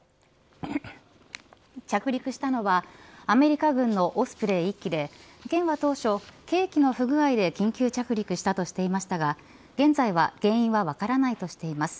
着陸したのはアメリカ軍のオスプレイ１機で県は当初、計器の不具合で緊急着陸したとしていましたが現在は原因は分からないとしています。